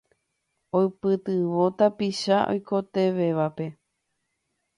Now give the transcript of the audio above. oipytyvõ tapicha oikotevẽvape